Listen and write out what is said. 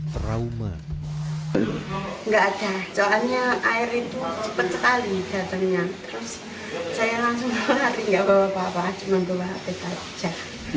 trauma enggak ada soalnya air itu cepet sekali datangnya terus saya langsung hati nggak apa apa